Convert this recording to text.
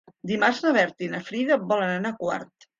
Dimarts na Berta i na Frida volen anar a Quart.